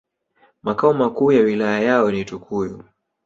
Makao makuu ya wilaya yao ni Tukuyu